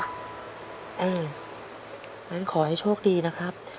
งั้นขอให้โชคดีนะครับ